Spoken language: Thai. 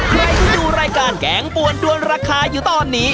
ใครที่ดูรายการแกงปวนด้วนราคาอยู่ตอนนี้